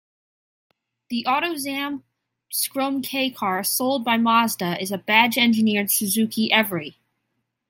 The Autozam Scrum keicar sold by Mazda is a badge-engineered Suzuki Every.